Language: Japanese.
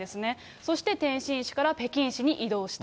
そして天津市から北京市に異動した。